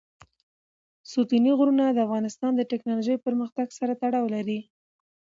ستوني غرونه د افغانستان د تکنالوژۍ پرمختګ سره تړاو لري.